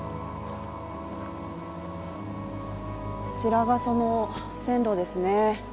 こちらがその線路ですね。